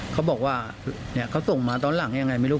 เขาบอกว่าเขาส่งมาตอนหลังยังไงไม่รู้